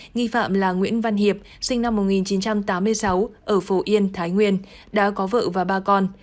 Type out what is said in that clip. nghi phạm là nguyễn văn hiệp sinh năm một nghìn chín trăm tám mươi sáu ở phổ yên thái nguyên đã có vợ và ba con